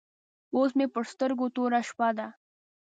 اوس مې پر سترګو توره شپه ده.